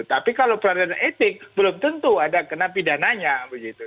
tapi kalau pelanggaran etik belum tentu ada kena pidana nya begitu